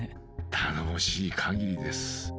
頼もしいかぎりです。